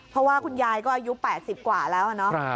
เพราะว่าคุณยายก็อายุ๘๐กว่าแล้ว